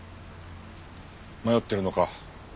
迷ってるのか？